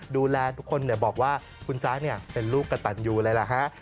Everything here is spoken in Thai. ดูแลทุกคนบอกว่าคุณจ๊ะเป็นลูกกระตันยูเลยล่ะฮะ